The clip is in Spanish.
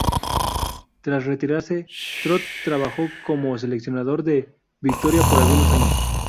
Tras retirarse, Trott trabajó como seleccionador de Victoria por algunos años.